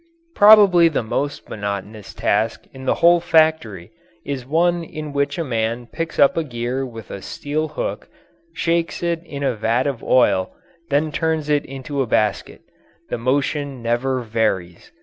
Probably the most monotonous task in the whole factory is one in which a man picks up a gear with a steel hook, shakes it in a vat of oil, then turns it into a basket. The motion never varies.